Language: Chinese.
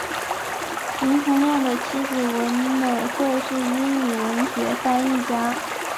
林洪亮的妻子文美惠是英语文学翻译家。